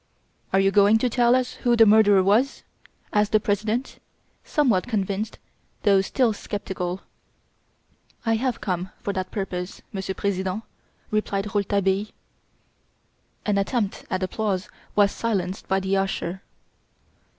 "Are you going to tell us who the murderer was?" asked the President, somewhat convinced though still sceptical. "I have come for that purpose, Monsieur President!" replied Rouletabille. An attempt at applause was silenced by the usher.